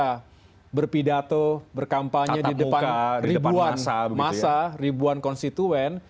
kita berpidato berkampanye di depan ribuan masa ribuan konstituen